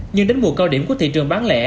nhưng đến mùa cao điểm của thị trường bán lẻ